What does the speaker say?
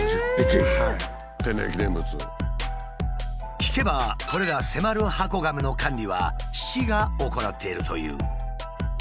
聞けばこれらセマルハコガメの管理は市が行っているという。